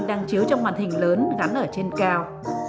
đang chứa trong màn hình lớn gắn ở trên cao